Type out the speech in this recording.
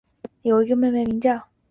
有一位妹妹名叫。